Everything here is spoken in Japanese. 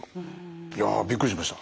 いやびっくりしました。